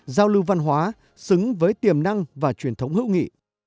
giao lưu văn hóa xứng với tiềm năng và truyền thống hữu nghị